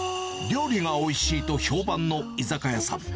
料理がおいしいと評判の居酒屋さん。